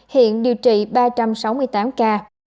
hiện điều trị ba trăm sáu mươi tám ca